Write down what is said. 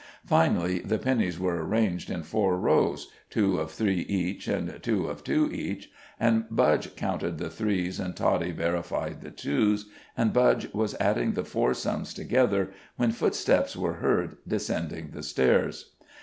Finally, the pennies were arranged in four rows, two of three each and two of two each, and Budge counted the threes and Toddie verified the twos; and Budge was adding the four sums together, when footsteps were heard descending the stairs.